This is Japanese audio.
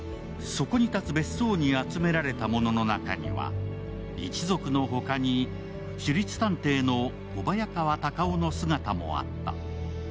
そこに立つ別荘の中に集められた者の中には、一族の他に私立探偵の小早川隆生の姿もあった。